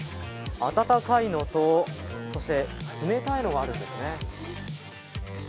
温かいのと、冷たいのもあるんですね。